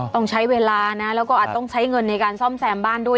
ต้องใช้เวลานะแล้วก็อาจต้องใช้เงินในการซ่อมแซมบ้านด้วย